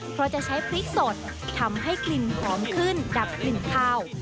เพราะจะใช้พริกสดทำให้กลิ่นหอมขึ้นดับกลิ่นคาว